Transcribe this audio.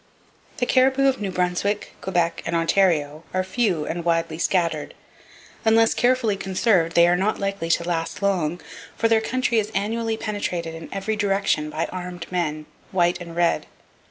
The caribou of New Brunswick, Quebec and Ontario are few and widely scattered. Unless carefully conserved, they are not likely to last long; for their country is annually penetrated in every direction by armed men, white and red.